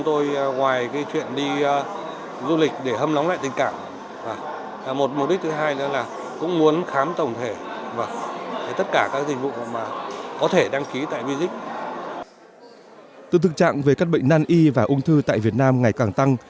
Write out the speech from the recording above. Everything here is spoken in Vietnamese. từ thực trạng về các bệnh nan y và ung thư tại việt nam ngày càng tăng